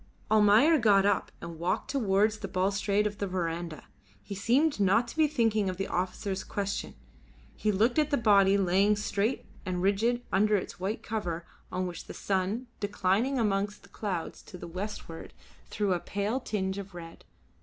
Almayer got up and walked towards the balustrade of the verandah. He seemed not to be thinking of the officer's question. He looked at the body laying straight and rigid under its white cover on which the sun, declining amongst the clouds to the westward, threw a pale tinge of red.